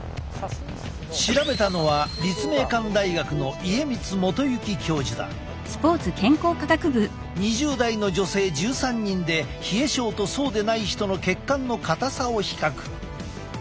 調べたのは２０代の女性１３人で冷え症とそうでない人の血管の硬さを比較。